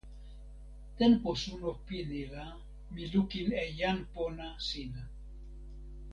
tenpo suno pini la mi lukin e jan pona sina.